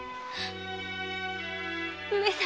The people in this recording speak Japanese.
上様。